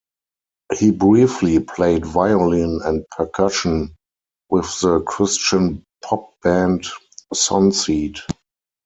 He briefly played violin and percussion with the Christian pop band Sonseed.